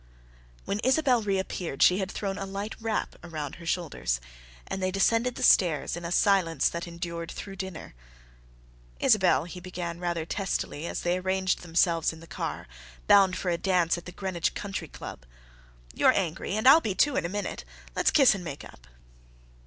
When Isabelle reappeared she had thrown a light wrap about her shoulders, and they descended the stairs in a silence that endured through dinner. "Isabelle," he began rather testily, as they arranged themselves in the car, bound for a dance at the Greenwich Country Club, "you're angry, and I'll be, too, in a minute. Let's kiss and make up."